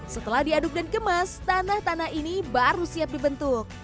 setelah diaduk dan kemas tanah tanah ini baru siap dibentuk